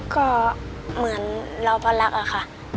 ก็เหมือนเราเพราะรักอะค่ะ